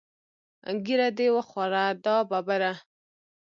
ږیره دې وخوره دا ببره.